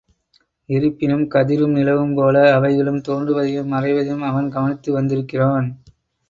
இருப்பினும், கதிரும் நிலவும்போல அவைகளும் தோன்றுவதையும் மறைவதையும் அவன் கவனித்து வந்திருக்கிறான்.